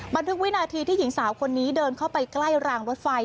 วินาทีที่หญิงสาวคนนี้เดินเข้าไปใกล้รางรถไฟ